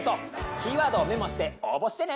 キーワードをメモして応募してね。